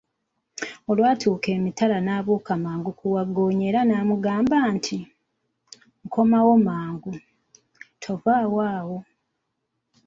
Olwatuuka emitala n'abuuka mangu ku wagggoonya era n'amugamba nti, nkomawo mangu, tovaawo awo!